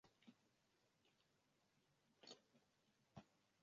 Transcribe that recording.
karibu na mji mkuu mosco kushika moto